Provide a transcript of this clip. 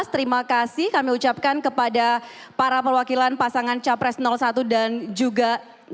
terima kasih kami ucapkan kepada para perwakilan pasangan capres satu dan juga dua